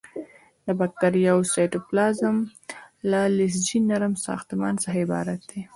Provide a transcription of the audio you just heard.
د باکتریاوو سایتوپلازم له لزجي نرم ساختمان څخه عبارت دی.